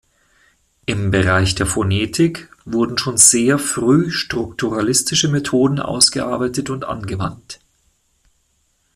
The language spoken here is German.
Im Bereich der Phonetik wurden schon sehr früh strukturalistische Methoden ausgearbeitet und angewandt.